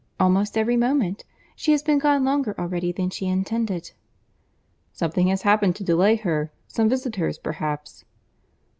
"Almost every moment. She has been gone longer already than she intended." "Something has happened to delay her; some visitors perhaps."